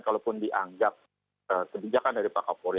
kalaupun dianggap kebijakan dari pak kapolri